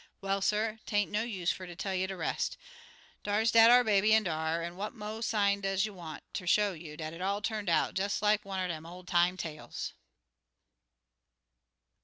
"Well, suh, 'tain't no use fer ter tell yer de rest. Dar's dat ar baby in dar, an' what mo' sign does you want ter show you dat it all turned out des like one er dem ol' time tales?"